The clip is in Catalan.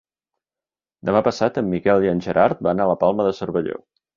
Demà passat en Miquel i en Gerard van a la Palma de Cervelló.